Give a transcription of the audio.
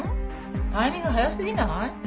タイミング早すぎない？